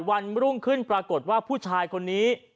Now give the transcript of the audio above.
วันรุ่งขึ้นปรากฏว่าผู้ชายคนนี้